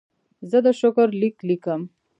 زه د شکر لیک لیکم.